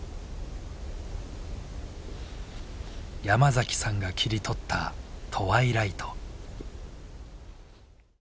山崎さんが切り取ったトワイライト。